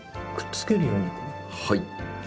はい。